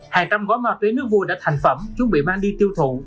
hàng trăm gói má túy nước vùi đã thành phẩm chuẩn bị mang đi tiêu thụ